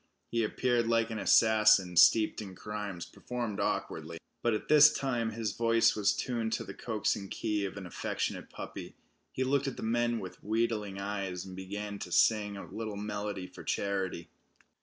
He appeared like an assassin steeped in crimes performed awkwardly. But at this time his voice was tuned to the coaxing key of an affectionate puppy. He looked at the men with wheedling eyes, and began to sing a little melody for charity.